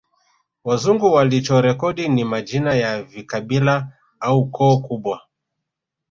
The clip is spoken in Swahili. Wazungu walichorekodi ni majina ya vikabila au koo kubwa